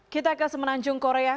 kita ke semenanjung korea